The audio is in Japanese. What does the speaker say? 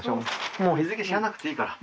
もう日付知らなくていいから。